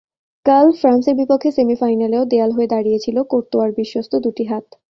কাল ফ্রান্সের বিপক্ষে সেমিফাইনালেও দেয়াল হয়ে দাঁড়িয়েছিল কোর্তোয়ার বিশ্বস্ত দুটি হাত।